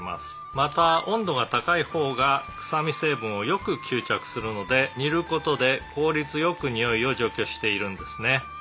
「また温度が高い方がくさみ成分をよく吸着するので煮る事で効率良くにおいを除去しているんですね」